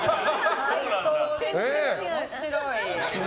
面白い。